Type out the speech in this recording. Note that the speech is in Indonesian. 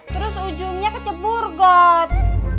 terus ujungnya kecebur god